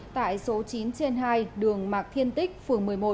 tại số chín trên hai đường mạc thiên tích phường một mươi một